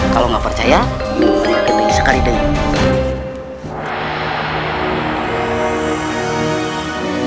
kalau nggak percaya nunggu kedeni sekali deh